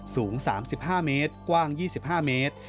สูง๓๕เมตรกว้าง๒๕เมตร